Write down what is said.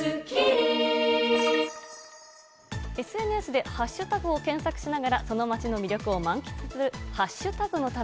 ＳＮＳでハッシュタグを検索しながら、その街の魅力を満喫するハッシュタグの旅。